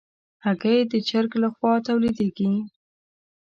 هګۍ د چرګ له خوا تولیدېږي.